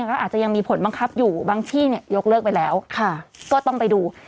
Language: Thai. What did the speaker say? ก็อาจจะยังมีผลบังคับอยู่บางที่เนี่ยยกเลิกไปแล้วก็ต้องไปดู